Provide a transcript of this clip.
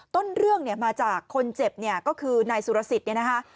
ต้นเรื่องเนี่ยมาจากคนเจ็บเนี่ยก็คือนายสุรสิทธิ์เนี่ยนะคะ